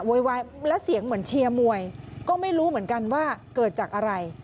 และเสียงเหมือนเชียร์มวยก็ไม่รู้เหมือนกันว่าเกิดจากอะไร